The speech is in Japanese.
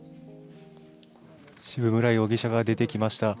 渋村容疑者が出てきました。